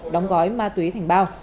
đóng gói ma túy thành bao